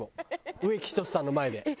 植木等さんの前で。